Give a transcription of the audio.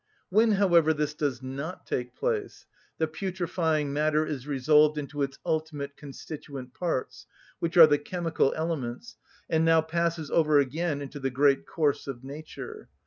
When, however, this does not take place, the putrefying matter is resolved into its ultimate constituent parts, which are the chemical elements, and now passes over again into the great course of nature.